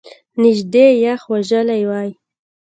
نژدې یخ وژلی وای !